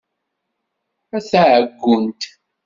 A taɛeggunt!